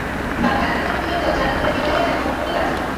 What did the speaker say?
বাবার আদালতের উকিলের দল চাঁদা করে বিবাহের ব্যয় বহন করতেও রাজি।